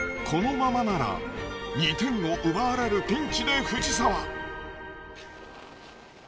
このままなら２点を奪われるピンチで藤澤。